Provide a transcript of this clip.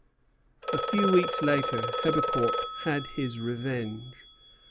A few weeks later Hebecourt had his revenge.